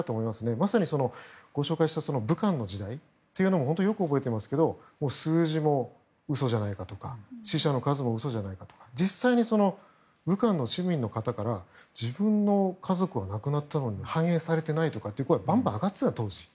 まさにご紹介した武漢の事例もよく覚えてますけど数字も嘘じゃないかとか死者の数も嘘じゃないかとか実際に武漢の市民の方から自分の家族が亡くなったのに反映されてないっていう声はバンバン上がってました、当時。